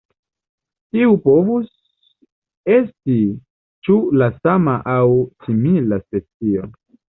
Tiu povus esti ĉu la sama aŭ simila specio.